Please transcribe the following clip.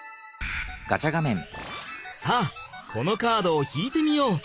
さあこのカードを引いてみよう！